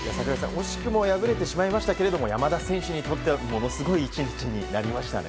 惜しくも敗れてしまいましたが山田選手にとってはものすごい１日になりましたね。